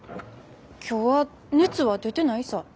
今日は熱は出てないさぁ。